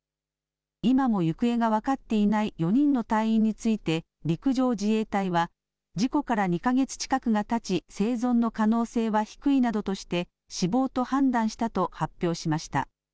今も行方が分かっていない４人の隊員について、陸上自衛隊は事故から２か月近くがたち、生存の可能性は低いなどとして、死亡と判断したと発表しました。